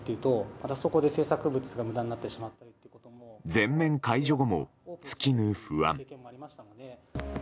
全面解除後も尽きぬ不安。